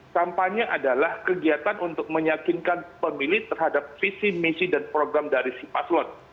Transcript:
kampanye adalah kegiatan untuk meyakinkan pemilih terhadap visi misi dan program dari si paslon